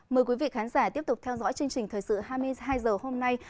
mời quý vị khán giả tiếp tục theo dõi chương trình thời sự hai mươi hai h hôm nay